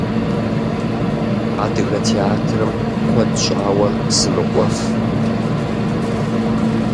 Адыгэ театрым куэд щӏауэ сымыкӏуэф.